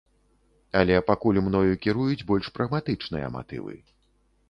Але пакуль мною кіруюць больш прагматычныя матывы.